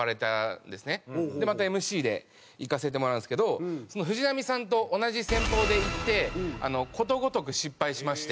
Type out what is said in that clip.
でまたＭＣで行かせてもらうんですけど藤波さんと同じ戦法でいってことごとく失敗しまして。